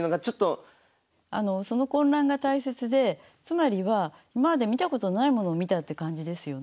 その混乱が大切でつまりは今まで見たことのないものを見たって感じですよね。